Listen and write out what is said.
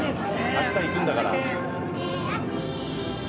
明日行くんだから。